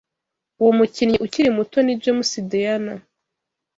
Uwo mukinnyi ukiri muto ni James Dean.